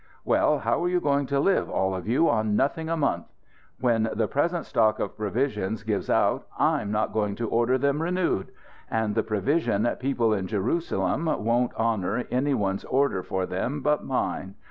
Well, how are you going to live, all of you, on nothing a month? When the present stock of provisions gives out I'm not going to order them renewed. And the provision people in Jerusalem won't honour any one's order for them but mine.